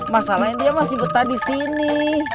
masalahnya dia masih betah disini